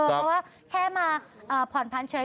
ว่าแค่มาผ่อนผันเฉย